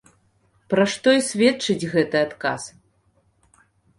Пра што і сведчыць гэты адказ.